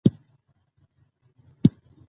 هغه د خپلو پوځیانو لپاره هر ډول قربانۍ ته تیار و.